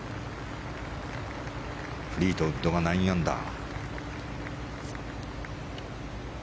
フリートウッドが９アンダー。